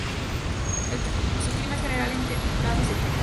Su clima en general es templado seco.